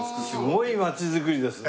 すごい街づくりですね。